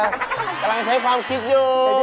กำลังใช้ความคิดอยู่